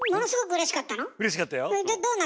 うれしかったよ。